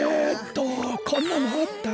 こんなのあったっけ？